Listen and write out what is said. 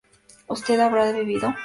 ¿usted habrá bebido?